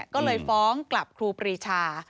ก็เลยฟ้องกลับครูปรีชา